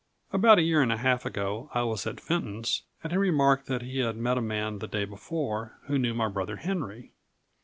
About a year and a half ago I was at Fenton's, and he remarked that he had met a man the day before who knew my brother Henry.